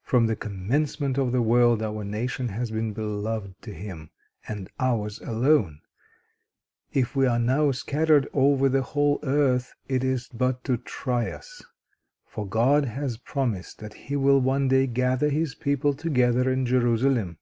From the commencement of the world, our nation has been beloved of Him, and ours alone. If we are now scattered over the whole earth, it is but to try us; for God has promised that He will one day gather His people together in Jerusalem.